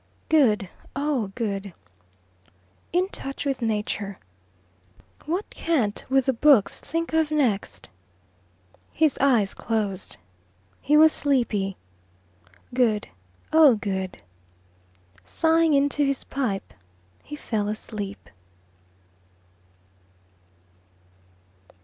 Good, oh good! In touch with Nature! What cant would the books think of next? His eyes closed. He was sleepy. Good, oh good! Sighing into his pipe, he fell asleep.